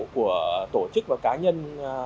của tổ chức và cá nhân